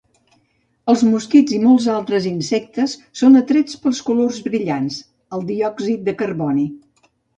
Els mosquits i molts altres insectes són atrets pels colors brillants, el diòxid de carboni.